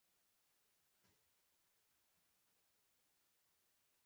کلونه تېر شول او ښار جوړ شو